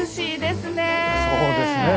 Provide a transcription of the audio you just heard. そうですねえ